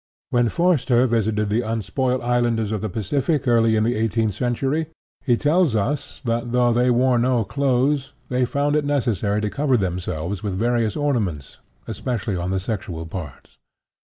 When Forster visited the unspoilt islanders of the Pacific early in the eighteenth century, he tells us that, though they wore no clothes, they found it necessary to cover themselves with various ornaments, especially on, the sexual parts.